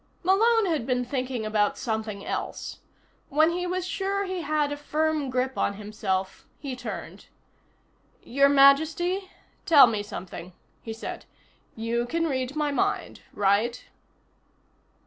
Malone had been thinking about something else. When he was sure he had a firm grip on himself he turned. "Your Majesty, tell me something," he said. "You can read my mind, right?"